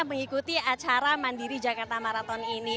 mengikuti acara bandiri jakarta marathon